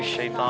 iya di sini